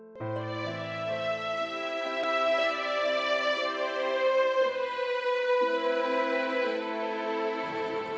dia selalu menghibur saya